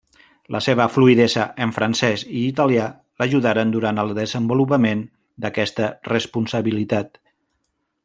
La seva fluïdesa en francès i italià l'ajudaren durant el desenvolupament d'aquesta responsabilitat.